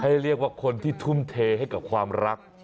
เรียกว่าคนที่ทุ่มเทให้กับความรัก